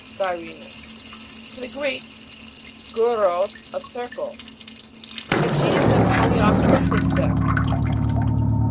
GY'RINUS. From the Greek, guros, a circle. A genus of coleopterous insects.